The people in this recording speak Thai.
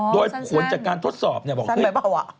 โดยผลจากการทดสอบสั้นไปเปล่า